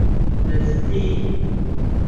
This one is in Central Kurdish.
بەجددی؟